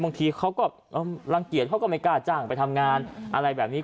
บางทีเขาก็รังเกียจเขาก็ไม่กล้าจ้างไปทำงานอะไรแบบนี้